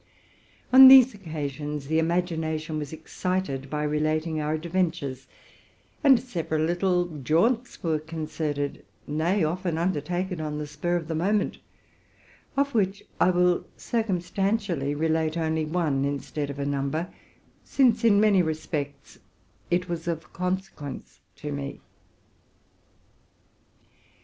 On these oc 'asions the imagination was excited by relating our adven tures; and several little jaunts were concerted, nay, often undertaken on the spur of the moment, of which I will cir cumstantially relate only one instead of a number, since in many respects it was of consequence to me.